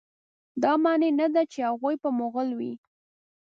دا معنی نه ده چې هغوی به مغول وه.